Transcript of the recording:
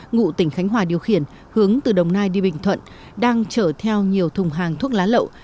ngụ tỉnh khánh hòa điều khiển hướng từ đồng nai đi bình thuận đang chở theo nhiều thùng hàng thuốc lá lậu